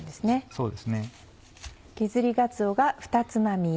そうですね。